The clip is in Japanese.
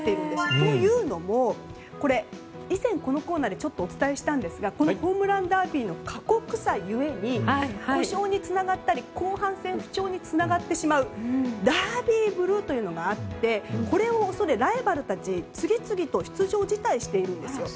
というのも、以前このコーナーでちょっとお伝えしたんですがこのホームランダービーの過酷さゆえに故障につながったり後半戦、不調につながってしまうダービーブルーというのがあってこれを恐れ、ライバルたちは次々と出場を辞退しているんですよ。